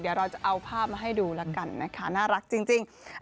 เดี๋ยวเราจะเอาภาพมาให้ดูแล้วกันนะคะน่ารักจริง